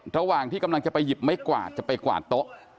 ระหว่างที่กำลังจะไปหยิบไม้กวาดจะไปกวาดโต๊ะ